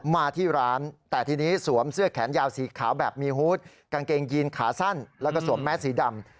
มาที่ร้านแต่ทีนี้สวมเสื้อแขนยาวสีขาวแบบมีฮูตกางเกงยีนขาสั้นแล้วก็สวมแมสสีดำ